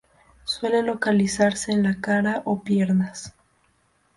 Suele localizarse en la cara o piernas.